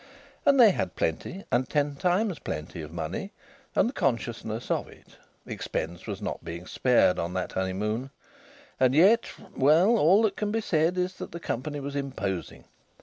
And they had plenty, and ten times plenty of money, and the consciousness of it. Expense was not being spared on that honeymoon. And yet.... Well, all that can be said is that the company was imposing.